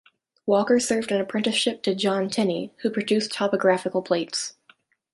Walker served an apprenticeship to John Tinney, who produced topographical plates.